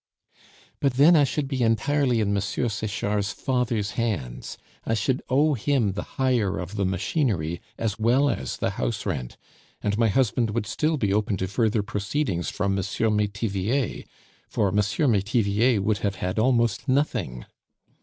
"But then I should be entirely in M. Sechard's father's hands. I should owe him the hire of the machinery as well as the house rent; and my husband would still be open to further proceedings from M. Metivier, for M. Metivier would have had almost nothing."